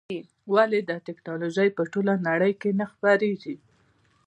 ولې دغه ټکنالوژي په ټوله نړۍ کې نه خپرېږي.